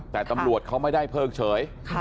แต่ตำรวจเขาไม่ได้เพิกเฉย